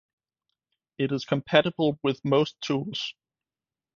It is compatible with most tools